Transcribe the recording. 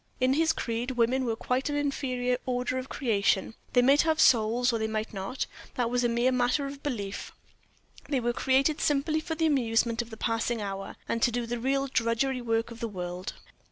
In his creed, women were quite an inferior order of creation they might have souls or they might not, that was a mere matter of belief they were created simply for the amusement of the passing hour, and to do the real drudgery work of the world.